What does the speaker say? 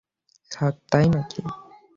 Sir, তাই নাকি!